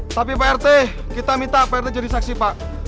tapi pak rt kita minta pak rt jadi saksi pak